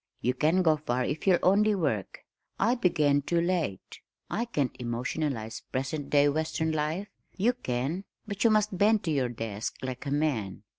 You can go far if you'll only work. I began too late. I can't emotionalize present day western life you can, but you must bend to your desk like a man.